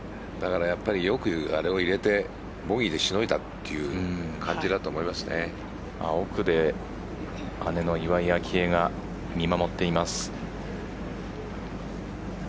よくあれを入れてボギーでしのいだっていう感じだと奥で姉の岩井明愛が見守っています。